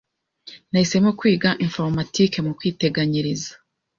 Nahisemo kwiga informatique mu kwiteganyiriza